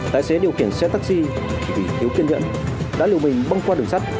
tài xế điều khiển xe taxi vì thiếu kiên nhẫn đã liều mình băng qua đường sắt